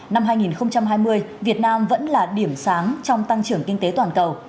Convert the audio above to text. năm hai nghìn hai mươi việt nam vẫn là điểm sáng trong tăng trưởng kinh tế toàn cầu